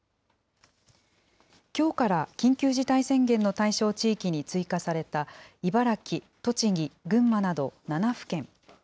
きょうから緊急事態宣言の対象地域に追加された茨城、栃木、群馬など７府県。